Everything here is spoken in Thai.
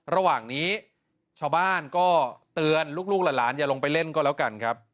ระหว่างนี้ชาวบ้านก็เตือนลูกหลานอย่าลงไปเล่นก็แล้วกันครับ